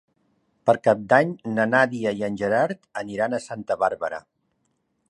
Per Cap d'Any na Nàdia i en Gerard aniran a Santa Bàrbara.